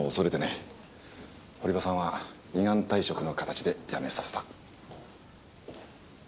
堀場さんは依願退職の形で辞めさせた。